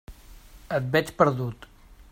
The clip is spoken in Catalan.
Et veig perdut.